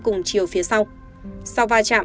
cùng chiều phía sau sau va chạm